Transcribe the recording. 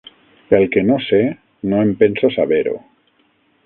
El que no sé no em penso saber-ho.